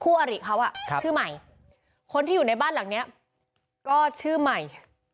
อริเขาอ่ะชื่อใหม่คนที่อยู่ในบ้านหลังเนี้ยก็ชื่อใหม่